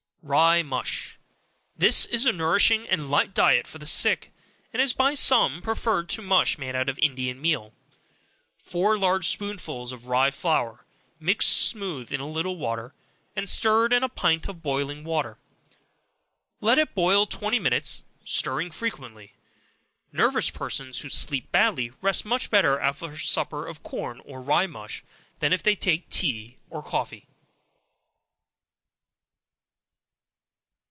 Rye Mush. This is a nourishing and light diet for the sick, and is by some preferred to mush made of Indian meal. Four large spoonsful of rye flour mixed smooth in a little water, and stirred in a pint of boiling water; let it boil twenty minutes, stirring frequently. Nervous persons who sleep badly, rest much better after a supper of corn, or rye mush, than if they take tea or coffee.